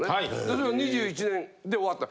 それが２１年で終わった。